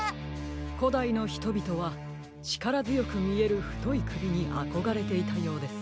こだいのひとびとはちからづよくみえるふといくびにあこがれていたようです。